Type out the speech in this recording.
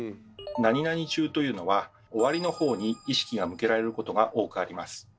「中」というのは「終わり」の方に意識が向けられることが多くあります。